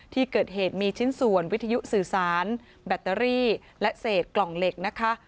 ที่เกิดเหตุมีชิ้นส่วนวิทยุสื่อสารแบตเตอรี่และเศษกล่องเหล็กนะคะ